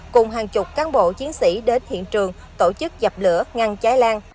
cùng hàng chục cán bộ chiến sĩ đến hiện trường tổ chức dập lửa ngăn cháy lan